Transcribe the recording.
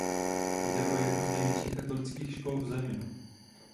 Jde o jednu z největších katolických škol v zemi.